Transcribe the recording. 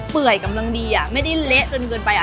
ื่อยกำลังดีไม่ได้เละจนเกินไป